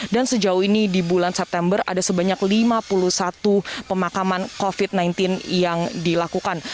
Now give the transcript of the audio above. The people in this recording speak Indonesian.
dan sejauh ini di bulan september ada sebanyak lima puluh satu pemakaman covid sembilan belas yang dilakukan